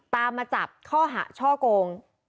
ตามมาจับข้อหาช่อกง